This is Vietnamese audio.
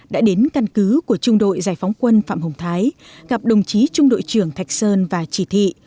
đã đến căn cứ của trung đội giải phóng quân phạm hồng thái gặp đồng chí trung đội trưởng thạch sơn và chỉ thị